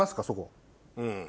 うん。